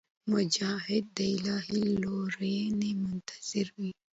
مجاهد د الهي لورینې منتظر وي.